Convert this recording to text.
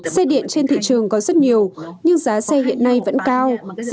xe điện trên thị trường có rất nhiều nhưng giá xe hiện nay vẫn cao